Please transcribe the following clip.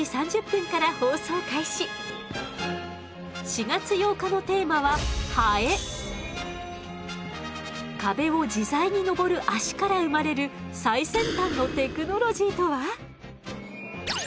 ４月８日のテーマは壁を自在に登る脚から生まれる最先端のテクノロジーとは？